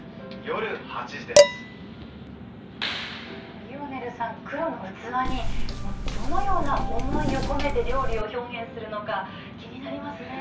リオネルさん、黒の器にどのような思いを込めて料理を表現するのか気になりますね。